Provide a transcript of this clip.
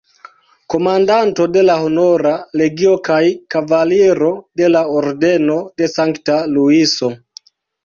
Komandanto de la Honora Legio kaj Kavaliro de la Ordeno de Sankta Luiso.